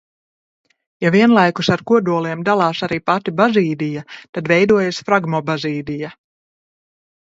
Ja vienlaikus ar kodoliem dalās arī pati bazīdija, tad veidojas fragmobazīdija.